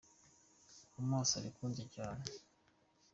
Amaso ari kundya cyane.